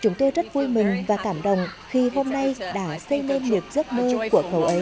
chúng tôi rất vui mừng và cảm động khi hôm nay đã xây nên nhược giấc mơ của cậu ấy